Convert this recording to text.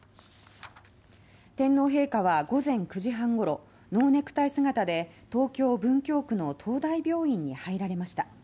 天皇陛下は午前９時半ごろノーネクタイ姿で東京・文京区の東大病院に入られました。